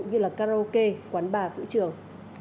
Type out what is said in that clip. như karaoke quán bà vũ trường